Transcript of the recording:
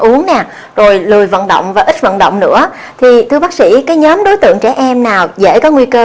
uống nè rồi lười vận động và ít vận động nữa thì thưa bác sĩ cái nhóm đối tượng trẻ em nào dễ có nguy cơ